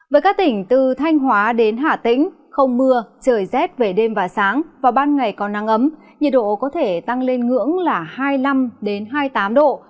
với các tỉnh từ thanh hóa đến hà tĩnh không mưa trời rét về đêm và sáng vào ban ngày có nắng ấm nhiệt độ có thể tăng lên ngưỡng là hai mươi năm hai mươi tám độ